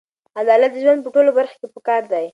عدالت د ژوند په ټولو برخو کې پکار دی.